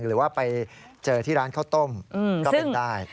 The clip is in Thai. หรือว่าไปเจอที่ร้านข้าวต้มก็เป็นได้